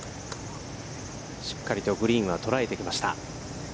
しっかりとグリーンは捉えてきました。